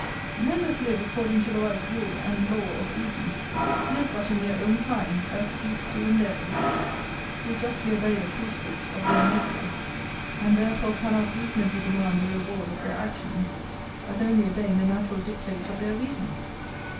Men that live according to the right rule and law of reason, live but in their own kind, as beasts do in theirs; who justly obey the prescript of their natures, and therefore cannot reasonably demand a reward of their actions, as only obeying the natural dictates of their reason.